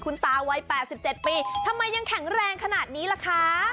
คุณตาวัย๘๗ปีทำไมยังแข็งแรงขนาดนี้ล่ะคะ